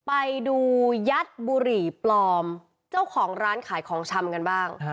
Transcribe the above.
ไปดูยัดบุหรี่ปลอมเจ้าของร้านขายของชำกันบ้าง